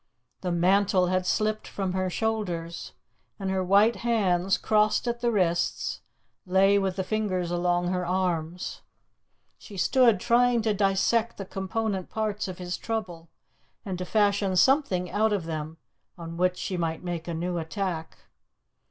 The mantle had slipped from her shoulders, and her white hands, crossed at the wrists, lay with the fingers along her arms. She stood trying to dissect the component parts of his trouble and to fashion something out of them on which she might make a new attack.